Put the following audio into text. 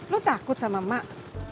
lo takut sama emak